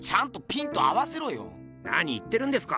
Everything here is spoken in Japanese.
何言ってるんですか！